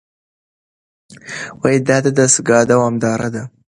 دا دستګاه دوامداره ده.